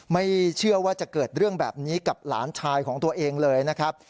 ไม่เชื่อว่าจะเกิดเรื่องแบบนี้กับหลานชายของตัวเองเลยนะครับ